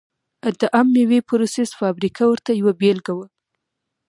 د عم مېوې پروسس فابریکه ورته یوه بېلګه وه.